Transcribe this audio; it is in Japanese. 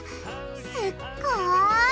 すっごい！